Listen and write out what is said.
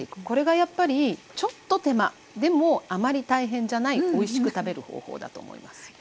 これがやっぱりちょっと手間でもあまり大変じゃないおいしく食べる方法だと思います。